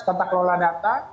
tentang kelola data